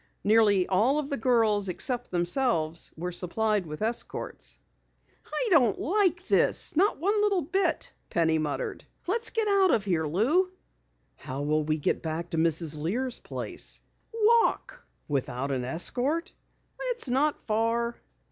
Nearly all of the girls except themselves were supplied with escorts. "I don't like this not by a little bit!" Penny muttered. "Let's get out of here, Lou." "How will we get back to Mrs. Lear's place?" "Walk." "Without an escort?" "It's not far."